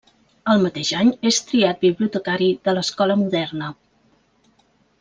El mateix any és triat bibliotecari de l'Escola Moderna.